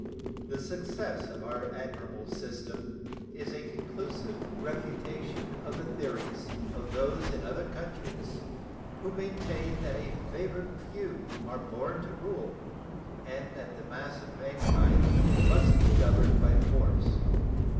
The success of our admirable system is a conclusive refutation of the theories of those in other countries who maintain that a "favored few" are born to rule and that the mass of mankind must be governed by force.